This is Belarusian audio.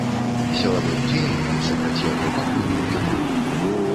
Сілавых дзеянняў супраць яго пакуль няма.